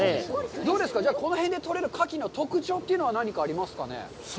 どうですか、じゃあ、この辺で取れるカキの特徴というのは何かありますかね。